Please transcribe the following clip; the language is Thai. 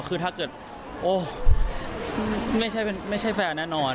คือถ้าเกิดโอ้ไม่ใช่แฟนแน่นอน